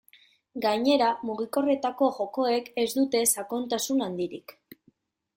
Gainera, mugikorretarako jokoek ez dute sakontasun handirik.